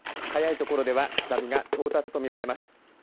早い所では津波が到達と見られます。